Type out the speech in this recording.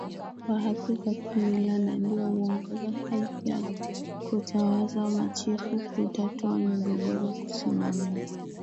wa haki za kimila na ndio huongoza kazi ya kuwatawaza Machifu kutatua migogoro kusimamia